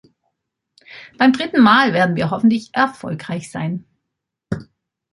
Beim dritten Mal werden wir hoffentlich erfolgreich sein.